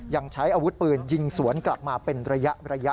ยังใช้อาวุธปืนยิงสวนกลับมาเป็นระยะ